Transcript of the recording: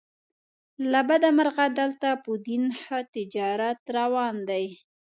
له بده مرغه دلته په دین ښه تجارت روان دی.